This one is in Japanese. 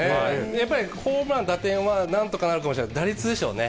やっぱりホームラン、打点はなんとかなるかもしれない、打率でしょうね。